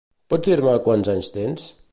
Pots dir-me quants anys tens?